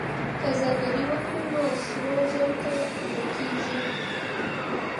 که زرګري وکړو نو سرو زرو نه ورکيږي.